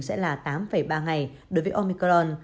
sẽ là tám ba ngày đối với omicron